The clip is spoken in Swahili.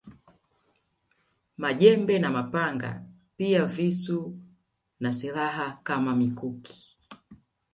Majembe na mapanga pia visu na silaha kama mikuki